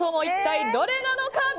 一体どれなのか！